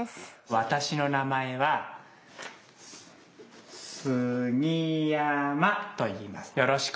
わたしのなまえは杉山といいます。